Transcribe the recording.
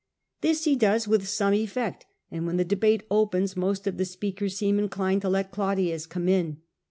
This he does with some effect, and when the debate opens most of the speakers seem inclined to let Claudius come in.